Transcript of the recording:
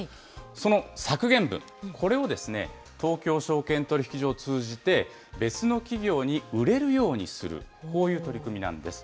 その削減分、これを東京証券取引所を通じて別の企業に売れるようにする、こういう取り組みなんです。